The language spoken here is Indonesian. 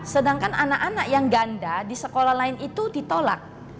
sedangkan anak anak yang ganda di sekolah lain itu ditolak